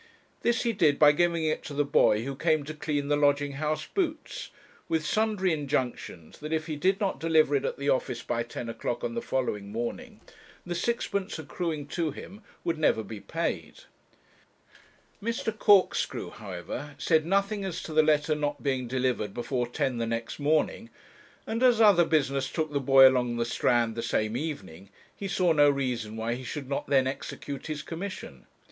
This he did, by giving it to the boy who came to clean the lodging house boots, with sundry injunctions that if he did not deliver it at the office by ten o'clock on the following morning, the sixpence accruing to him would never be paid. Mr. Corkscrew, however, said nothing as to the letter not being delivered before ten the next morning, and as other business took the boy along the Strand the same evening, he saw no reason why he should not then execute his commission.